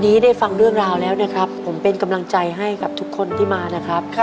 นี้ได้ฟังเรื่องราวแล้วนะครับผมเป็นกำลังใจให้กับทุกคนที่มานะครับ